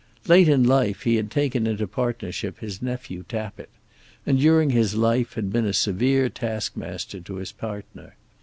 Late in life he had taken into partnership his nephew Tappitt, and during his life had been a severe taskmaster to his partner.